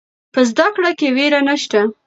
په زده کړه کې ویره نشته.